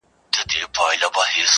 ما د دريم ژوند وه اروا ته سجده وکړه.